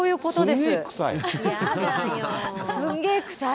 すんげぇ臭い。